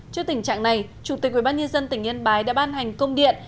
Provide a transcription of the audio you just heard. trước tình trạng này chủ tịch ubnd tỉnh yên bái đã ban hành công điện